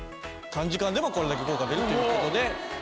短時間でもこれだけ効果が出るという事で。